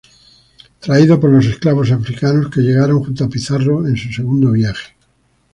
Traído por los esclavos africanos que llegaron junto a Pizarro en su segundo viaje.